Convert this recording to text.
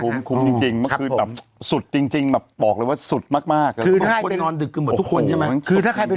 หรือมันคุ้มจริงมันพืชอั่มสุดจริงแบบบอกว่าสุดมากมากที่ภูมิให้คำไขของ